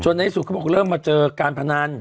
ในที่สุดเขาบอกเริ่มมาเจอการพนัน